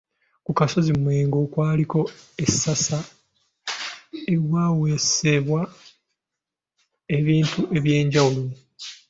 Ku kasozi Mengo kwaliko essasa ewaweesebwa ebintu eby'enjawulo.